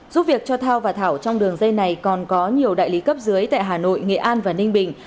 giúp việc cho thao và thảo trong đường dây này còn có nhiều đại lý cấp dưới tại hà nội nghệ an và ninh bình